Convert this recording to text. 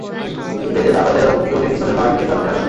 এতে ডাকাতেরা ক্ষুব্ধ হয়ে পিস্তলের বাঁট দিয়ে তাঁর মাথায় আঘাত করে।